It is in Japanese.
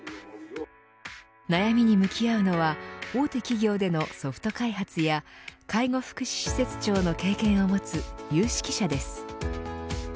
悩みに向き合うのは大手企業でのソフト開発や介護福祉施設長の経験を持つ有識者です。